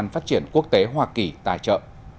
phát triển quốc tế hoa kỳ tài trợ